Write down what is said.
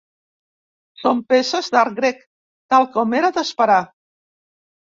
Són peces d'art grec, tal com era d'esperar.